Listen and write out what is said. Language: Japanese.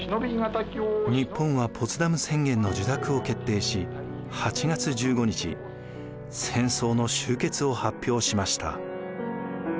日本はポツダム宣言の受諾を決定し８月１５日戦争の終結を発表しました。